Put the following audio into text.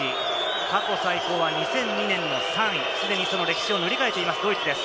過去最高は２００２年の３位、すでにその歴史を塗り替えているドイツです。